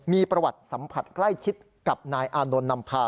มีประวัติสัมผัสใกล้ชิดกับนายอานนท์นำพา